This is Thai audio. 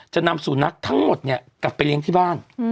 นำสุนัขทั้งหมดเนี่ยกลับไปเลี้ยงที่บ้าน